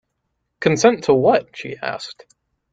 ‘Consent to what?’ she asked.